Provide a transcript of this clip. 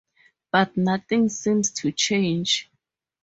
But nothing seems to change.